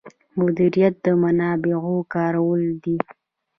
مدیریت د منابعو کارول دي